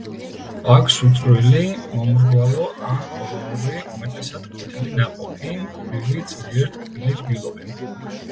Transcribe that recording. აქვს წვრილი, მომრგვალო ან ოვალური, უმეტესად ყვითელი ნაყოფი, მკვრივი, ძლიერ ტკბილი რბილობი.